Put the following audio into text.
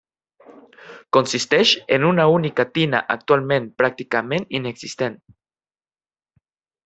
Consisteix en una única tina actualment pràcticament inexistent.